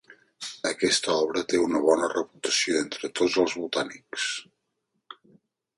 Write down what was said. Aquesta obra té una bona reputació entre tots els botànics.